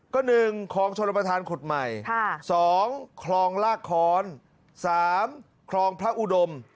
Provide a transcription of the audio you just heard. ก็๑คลองชนประธานขุดใหม่๒คลองลากค้อน๓คลองพระอุดม